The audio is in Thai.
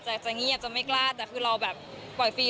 แต่จะเงียบจะไม่กล้าแต่คือเราแบบปล่อยฟรี